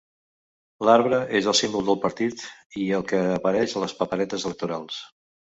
L'arbre és el símbol del partit i el que apareix a les paperetes electorals.